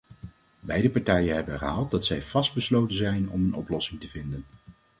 Beide partijen hebben herhaald dat zij vastbesloten zijn om een oplossing te vinden.